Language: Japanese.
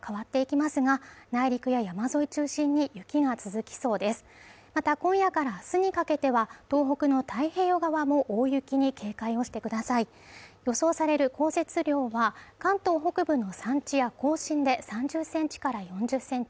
また今夜からあすにかけては東北の太平洋側も大雪に警戒をしてください予想される降雪量は関東北部の山地や甲信で３０センチから４０センチ